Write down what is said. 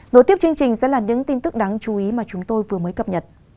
nối tiếp chương trình sẽ là những tin tức đáng chú ý mà chúng tôi vừa mới cập nhật